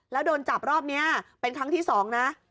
แล้วโดนจับรอบนี้เป็นครั้งที่๒นะ